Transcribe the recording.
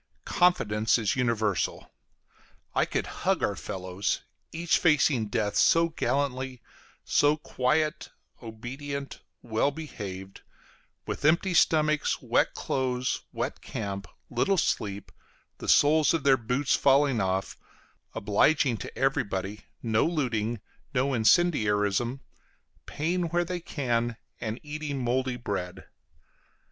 Confidence is universal. I could hug our fellows, each facing death so gallantly, so quiet, obedient, well behaved, with empty stomachs, wet clothes, wet camp, little sleep, the soles of their boots falling off, obliging to everybody, no looting, no incendiarism, paying where they can, and eating moldy bread.